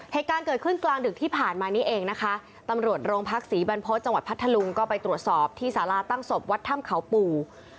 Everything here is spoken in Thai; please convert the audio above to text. เหตุการณ์เกิดขึ้นกลางดึกที่ผ่านมานี้เองนะคะตำรวจโรงพักศรีบรรพฤษจังหวัดพัทธลุงก็ไปตรวจสอบที่สาราตั้งศพวัดถ้ำเขาปู่